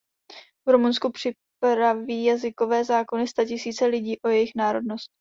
V Rumunsku připraví jazykové zákony statisíce lidí o jejich národnost.